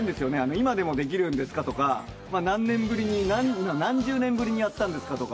「今でもできるんですか？」とか「何十年ぶりにやったんですか？」とか。